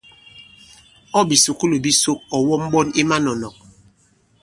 Ɔ̂ bìsùkulù bi sok, ɔ̀ wɔm ɓɔn i manɔ̀nɔ̀k.